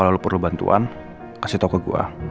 al kalau lo perlu bantuan kasih tau ke gue